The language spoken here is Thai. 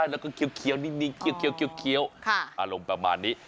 แล้วก็เคี้ยวนิดเคี้ยวอารมณ์ประมาณนี้